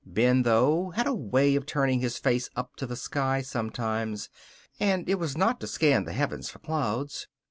Ben, though, had a way of turning his face up to the sky sometimes, and it was not to scan the heavens for clouds.